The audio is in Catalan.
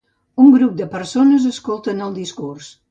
Un grup de persones escolten el discurs.